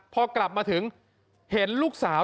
พอกลับมาถึงเห็นลูกสาว